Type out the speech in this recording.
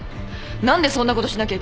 何でそんなことしなきゃいけないの。